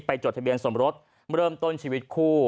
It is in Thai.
จดทะเบียนสมรสเริ่มต้นชีวิตคู่